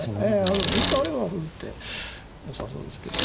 一歩あれば歩打ってよさそうですけど。